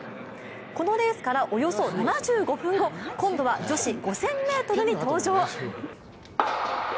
このレースからおよそ７５分後今度は女子５０００ｍに登場。